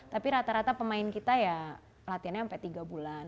tapi rata rata pemain kita ya latihannya sampai tiga bulan